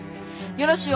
よろしゅう